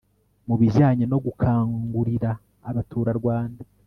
Mu bijyanye no gukangurira abaturarwanda